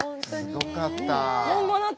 すごかった。